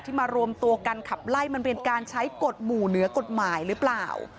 มารวมตัวกันขับไล่มันเป็นการใช้กฎหมู่เหนือกฎหมายหรือเปล่า